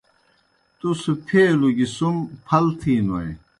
تُس پھیلوْ گیْ سُم پھلتِھینوئے۔